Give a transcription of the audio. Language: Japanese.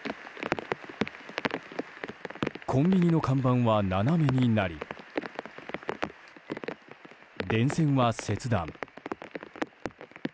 コンビニの看板は斜めになり電線は切断。